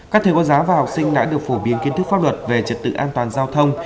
các thầy cô giáo và học sinh đã được phổ biến kiến thức pháp luật về trật tự an toàn giao thông